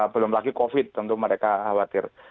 belum lagi covid tentu mereka khawatir